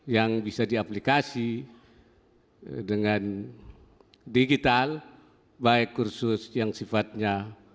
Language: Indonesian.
yang bisa diaplikasi dengan digital baik kursus yang sifatnya